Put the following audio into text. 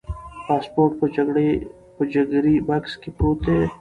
پاسپورت په جګري بکس کې پروت دی.